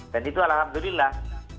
dan itu alhamdulillah